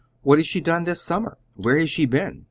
"What has she done this summer? Where has she been?"